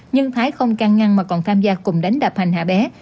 nhưng thái không căng ngăn mà còn tham gia cùng đánh đập hành hạ bé